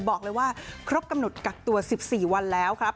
บอกเลยว่าครบกำหนดกักตัว๑๔วันแล้วครับ